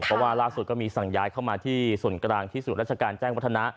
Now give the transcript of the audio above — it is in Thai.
เพราะว่าล่าสุดก็มีสั่งย้ายเข้ามาที่ส่วนกลางที่ศูนย์ราชการแจ้งวัฒนะ